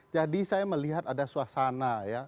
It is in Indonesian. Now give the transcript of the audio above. jadi saya melihat ada suasana ya